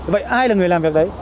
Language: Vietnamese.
vậy ai là người làm việc đấy